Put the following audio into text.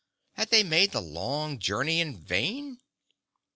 Had they made the long journey in vain?